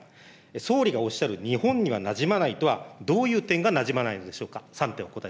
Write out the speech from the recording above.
総理がおっしゃる、日本にはなじまないとは、どういう点がなじまないんでしょうか。